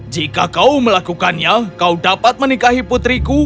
jika kau melakukannya kau dapat menikahi putriku